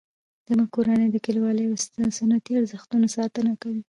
زموږ کورنۍ د کلیوالي او سنتي ارزښتونو ساتنه کوي